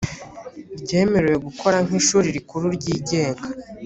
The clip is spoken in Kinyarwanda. ryemerewe gukora nk ishuri rikuru ryigenga